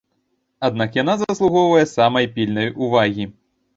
Аднак яна заслугоўвае самай пільнай увагі.